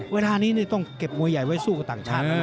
เวลานี้ต้องเก็บมวยใหญ่ไว้สู้กับต่างชาติแล้วนะ